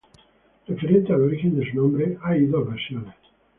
Referente al origen de su nombre, hay dos versiones.